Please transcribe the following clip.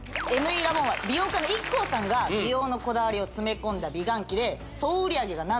ＭＥラボンは美容家のＩＫＫＯさんが美容のこだわりを詰め込んだ美顔器で何とえっ？